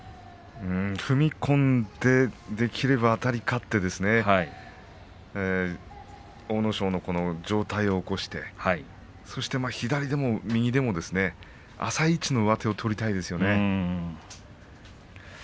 踏み込んでできればあたり勝って阿武咲の上体を起こしてそして左でも右でも浅い位置の上手を取りたいですね。